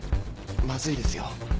まずいですよ。